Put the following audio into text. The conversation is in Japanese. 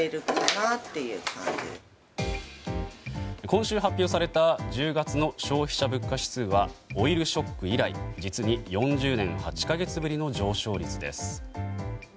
今週、発表された１０月の消費者物価指数はオイルショック以来実に４０年８か月ぶりの上昇率です。